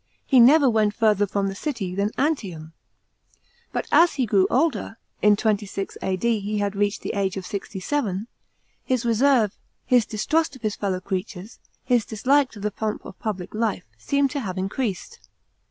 He never went further from the city than Antium. But as he grew older — in 26 A.D. he had reached the age of sixty seven — his reserve, his distrust of his fellow creatures, his dislike to the pomp of public life, seem to have incre sed.